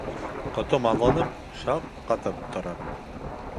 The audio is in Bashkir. Ҡотом алынып, шаҡ ҡатып торам.